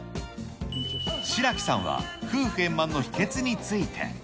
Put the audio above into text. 白城さんは夫婦円満の秘けつについて。